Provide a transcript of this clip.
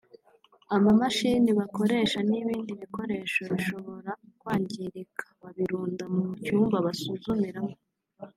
amamashini bakoresha n’ibindi bikoresho bishobora kwangirika babirunda mu cyumba basuzumiramo (Laboratory)